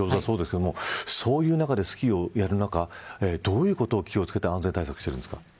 そういう中でスキーをやる中どういうことに気を付けて安全対策をするんですか。